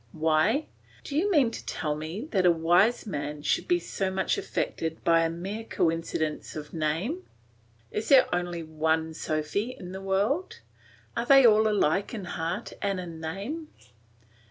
Why! Do you mean to tell me that a wise man should be so much affected by a mere coincidence of name! Is there only one Sophy in the world? Are they all alike in heart and in name?